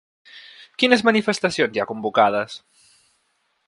Quines manifestacions hi ha convocades?